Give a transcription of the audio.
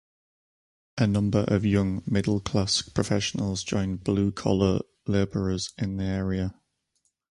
A number of young middle-class professionals joined blue-collar laborers in the area.